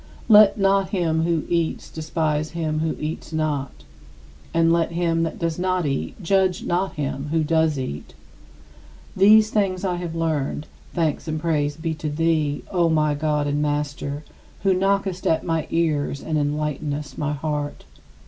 " "Let not him who eats despise him who eats not, and let him that does not eat judge not him who does eat." These things I have learned, thanks and praise be to thee, O my God and Master, who knockest at my ears and enlightenest my heart.